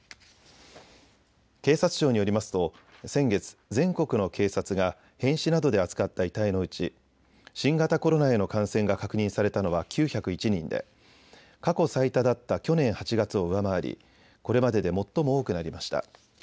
警察庁によりますと先月、全国の警察が変死などで扱った遺体のうち新型コロナへの感染が確認されたのは９０１人で過去最多だった去年８月を上回りこれまでで最も多くなりました。